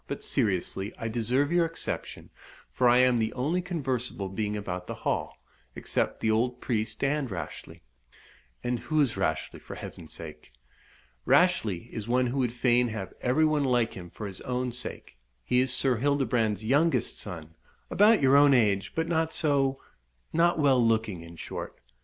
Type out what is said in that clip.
But, seriously, I deserve your exception, for I am the only conversable being about the Hall, except the old priest and Rashleigh." "And who is Rashleigh, for Heaven's sake?" "Rashleigh is one who would fain have every one like him for his own sake. He is Sir Hildebrand's youngest son about your own age, but not so not well looking, in short.